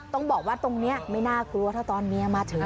ต้องบอกว่าตรงนี้ไม่น่ากลัวถ้าตอนเมียมาถึง